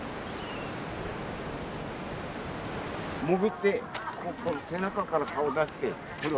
潜って背中から顔出して。